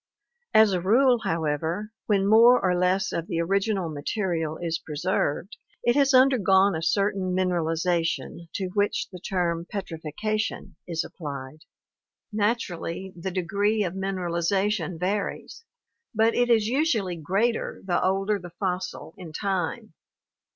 — As a rule, however, when more or less of the origi nal material is preserved, it has undergone a certain mineralization to which the term petrifaction is applied. Naturally the degree of 412 ORGANIC EVOLUTION mineralization varies, but is usually greater the older the fossil in time.